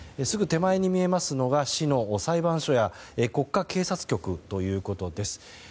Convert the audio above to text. すぐ手前に見えるのが市の裁判所や国家警察局ということです。